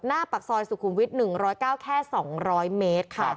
ปากซอยสุขุมวิท๑๐๙แค่๒๐๐เมตรค่ะ